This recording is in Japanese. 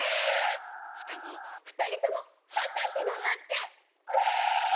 しかも２人とも２０歳だなんて、ね。